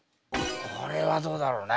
これはどうだろうね？